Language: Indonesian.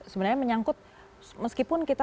sebenarnya menyangkut meskipun kita